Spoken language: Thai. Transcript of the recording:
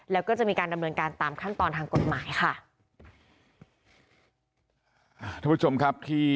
แล้วก็จะมีการดำเนินการตามขั้นตอนทางกฎหมายค่ะ